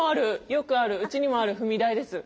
よくあるうちにもある踏み台です。